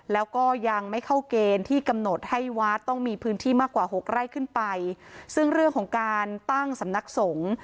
แล้วก็ยังไม่เข้าเกณฑ์ที่กำหนดให้วัดต้องมีพื้นที่มากกว่าหกไร่ขึ้นไปซึ่งเรื่องของการตั้งสำนักสงฆ์